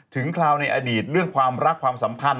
คราวในอดีตเรื่องความรักความสัมพันธ